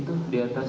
itu di atas